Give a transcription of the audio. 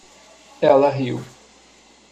Ela riu.